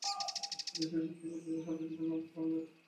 সদস্য সাতটি পদের মধ্যে সাদা প্যানেল থেকে আবুল কালাম আজাদ নির্বাচিত হন।